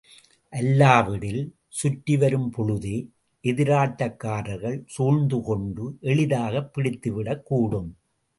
அல்லாவிடில், சுற்றிவரும் பொழுதே எதிராட்டக்காரர்கள் சூழ்ந்து கொண்டு எளிதாகப் பிடித்துவிடக் கூடும்.